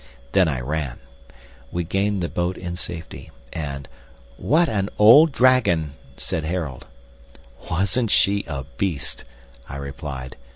Then I ran. We gained the boat in safety; and "What an old dragon!" said Harold. "Wasn't she a beast!" I replied.